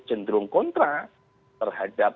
cenderung kontra terhadap